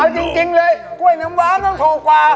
จริงเลยกล้วยน้ำหวานต้องถูกกว่า